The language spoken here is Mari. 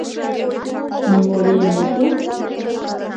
— Нимо лийын отыл?